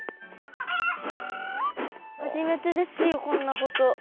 初めてですよこんなこと。